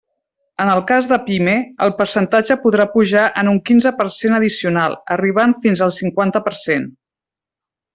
En el cas de pime, el percentatge podrà pujar en un quinze per cent addicional, arribant fins al cinquanta per cent.